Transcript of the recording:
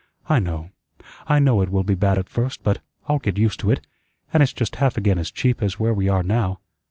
"I know. I know it will be bad at first, but I'll get used to it, an' it's just half again as cheap as where we are now.